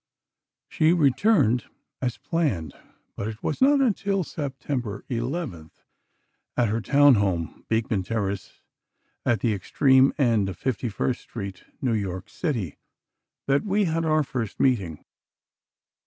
She returned as planned, but it was not until September 11, at her town home, Beekman Terrace, at the extreme end of 51st Street, New York City, that we had our first meeting.